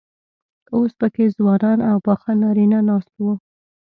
اوس پکې ځوانان او پاخه نارينه ناست وو.